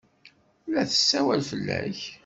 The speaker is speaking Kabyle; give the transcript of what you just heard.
La tessawal fell-ak.